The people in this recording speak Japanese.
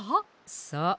そう。